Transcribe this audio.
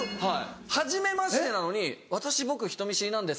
はじめましてなのに「私僕人見知りなんで」